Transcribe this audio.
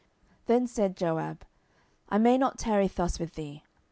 10:018:014 Then said Joab, I may not tarry thus with thee.